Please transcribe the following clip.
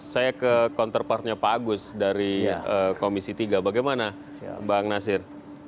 saya ke counterpartnya pak agus dari komisi tiga bagaimana bang nasir